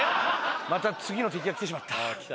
また次の敵が来てしまった。